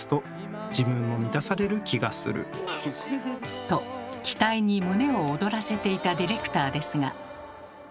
と期待に胸を躍らせていたディレクターですが。